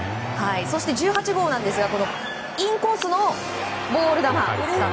そして１８号ですがインコースのボール球。